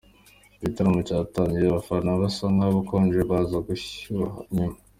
Igitaramo cyatangiye abafana basa nk’abakonje baza gushyuha nyuma.